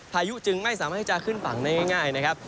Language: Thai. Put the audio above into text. พายุจึงไม่สามารถที่จะขึ้นฝั่งได้ง่ายนะครับ